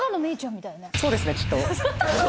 「そうですねきっと」？